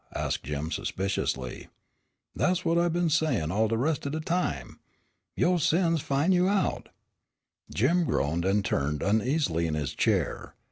asked Jim suspiciously. "Des' what it been sayin' all de res' o' de time. 'Yo' sins will fin' you out'" Jim groaned and turned uneasily in his chair.